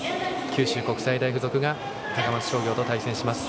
九州国際大付属が高松商業と対戦します。